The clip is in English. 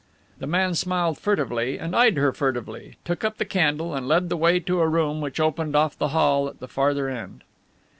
The man smiled furtively and eyed her furtively, took up the candle and led the way to a room which opened off the hall at the farther end.